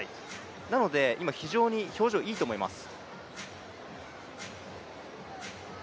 なので今、非常に表情いいと思います。